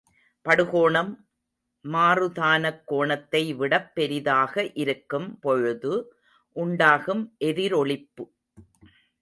படுகோணம் மாறுதானக்கோணத்தை விடப் பெரிதாக இருக்கும் பொழுது உண்டாகும் எதிரொளிப்பு.